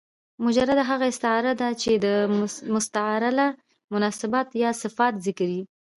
مجرده هغه استعاره ده، چي د مستعارله مناسبات یا صفات ذکر يي.